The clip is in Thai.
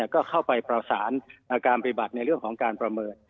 ก็เข้าไปประสานการปฏิบัติในเรื่องของการประเมิน